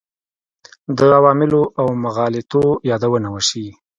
د عواملو او مغالطو یادونه وشي.